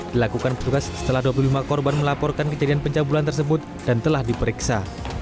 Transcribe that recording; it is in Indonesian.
dilakukan petugas setelah dua puluh lima korban melaporkan kejadian pencabulan tersebut dan telah diperiksa